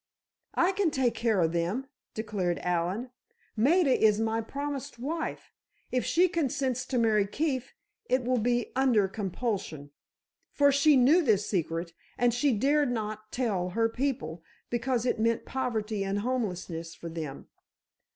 "I can take care of them," declared Allen. "Maida is my promised wife; if she consents to marry Keefe, it will be under compulsion. For she knew this secret, and she dared not tell her people because it meant poverty and homelessness for them.